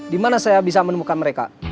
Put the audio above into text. di mana saya bisa menemukan mereka